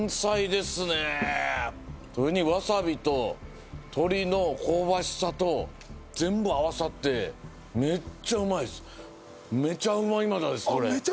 それにわさびと鶏の香ばしさと全部合わさってめっちゃうまいですあっ